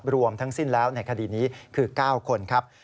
รวมทั้งสิ้นแล้วในคดีนี้คือ๙คนครับ